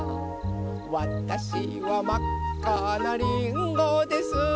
「わたしはまっかなリンゴです」